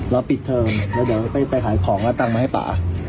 แล้วปิดเทอมแล้วเดี๋ยวไปขายของกำลังตั้งมาให้ป่า